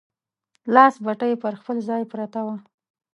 لاسي بتۍ پر خپل ځای پرته وه.